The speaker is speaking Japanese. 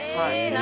何？